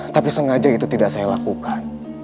tapi sengaja itu tidak saya lakukan